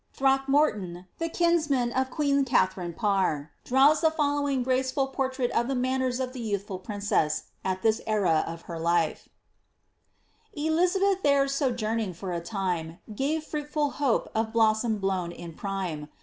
Throckmorton, the kinsman of queen Katharine Parr, draws the fol* lowing graceful portrait of the manners of the youthful princess at this en of her life :Elizabeth there sojourning for a time, Crave fruitful hope of blossom blown in prime.